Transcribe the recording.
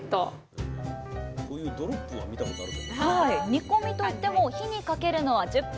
煮込みといっても火にかけるのは１０分！